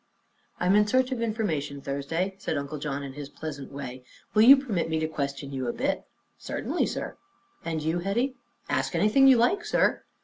"I am in search of information, Thursday," said Uncle John in his pleasant way. "Will you permit me to question you a bit?" "Certainly, sir." "And you, Hetty?" "Ask anything you like, sir."